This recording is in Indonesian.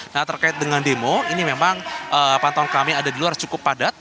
nah terkait dengan demo ini memang pantauan kami ada di luar cukup padat